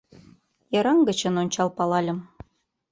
Йыраҥ гычын ончал палальым.